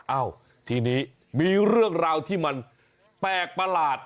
เอ้าทีนี้มีเรื่องราวที่มันแปลกประหลาด